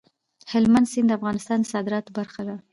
هلمند سیند د افغانستان د صادراتو برخه ده.